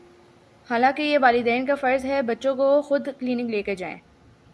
حالانکہ یہ والدین کافرض ہے بچوں کو خودکلینک لےکرجائیں۔